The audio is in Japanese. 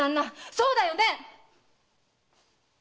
そうだよね